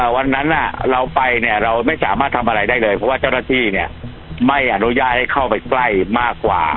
วันนั้นเราไปเนี่ยเราไม่สามารถทำอะไรได้เลยเพราะว่าเจ้าหน้าที่เนี่ยไม่อนุญาตให้เข้าไปใกล้มากกว่า